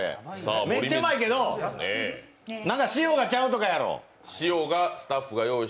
めっちゃうまいけど、塩がちゃうとかやろ。